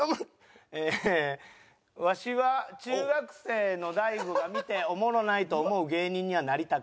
えーわしは中学生の大悟が見ておもろないと思う芸人にはなりたくないんですよ。